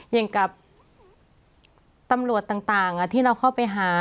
อย่างกับตำรวจต่างที่เราเข้าไปหา